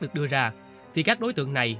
được đưa ra thì các đối tượng này